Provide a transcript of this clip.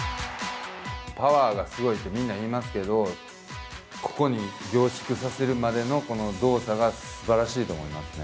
パワーがすごいってみんな言いますけど、ここに凝縮させるまでのこの動作がすばらしいと思いますね。